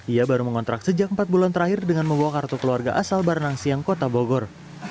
ia baru mengontrak sejak empat bulan terakhir dengan membawa kartu keluarga asal barengang siang kota bogor